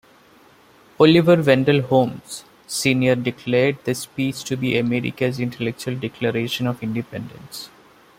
Oliver Wendell Holmes, Senior declared this speech to be America's Intellectual Declaration of Independence.